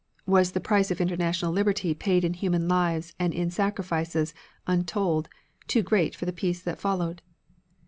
Was the price of international liberty paid in human lives and in sacrifices untold too great for the peace that followed?